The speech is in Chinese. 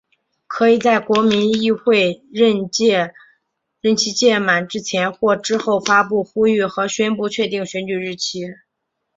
可以在国民议会任期届满之前或之后发布呼吁和宣布确定选举日期。